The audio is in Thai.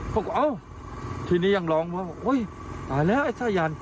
ผมก็เอ้าทีนี้ยังร้องว่าโอ๊ยตายแล้วไอ้ท่ายัน